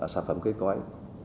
sản phẩm cây cõi